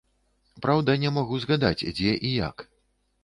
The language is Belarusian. Праўда не мог узгадаць дзе і як.